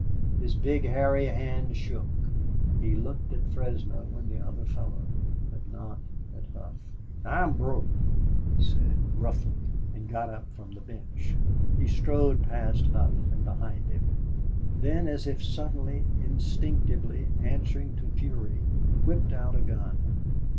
His big, hairy hands shook. He looked at Fresno and the other fellow, but not at Hough. "I'm broke," he said, gruffly, and got up from the bench. He strode past Hough, and behind him; then as if suddenly, instinctively, answering to fury, he whipped out a gun.